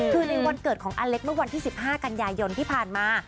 คือในวันเกิดของอเล็กเมื่อวันที่๑๕กันยายนที่ผ่านมา